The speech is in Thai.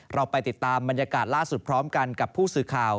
เราไปติดตามบรรยากาศล่าสุดพร้อมกันกับผู้สื่อข่าว